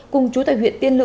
cùng chú tại huyện tiên lữ